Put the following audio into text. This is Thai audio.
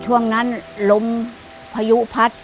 ช่วงนั้นลมพายุพัด